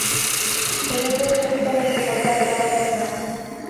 — Үҙеңдең кем икәнеңде бында берәүгә лә әйтмә.